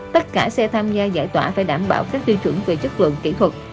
tất cả xe tham gia giải tỏa phải đảm bảo các tiêu chuẩn về chất lượng kỹ thuật